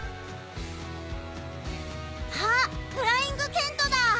あっフライングケントだ。